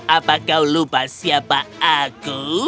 apa kau lupa siapa aku